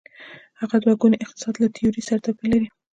هغه دوه ګونی اقتصاد له تیورۍ سره توپیر لري.